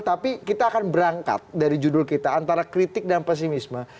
tapi kita akan berangkat dari judul kita antara kritik dan pesimisme